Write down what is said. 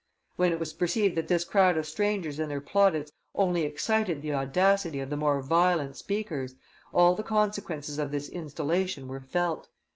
When it was perceived that this crowd of strangers and their plaudits only excited the audacity of the more violent speakers, all the consequences of this installation were felt.